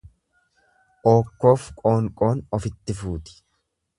Ookkoof qoonqoon ofitti fuuti.